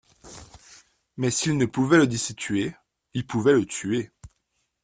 Mais, s'il ne pouvait le destituer, il pouvait le tuer.